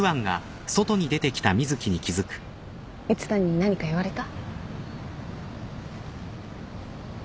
蜜谷に何か言われた？